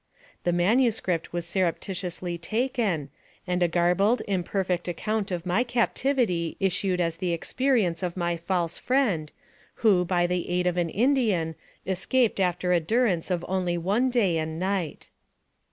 The manuscript was surreptitiously taken, and a gar bled, imperfect account of my captivity issued as the experience of my false friend, who, by the aid of an AMONG THE SIOUX INDIANS. 251 Indian, escaped after a durance of only one day and night.